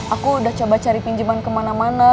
aku udah coba cari pinjaman kemana mana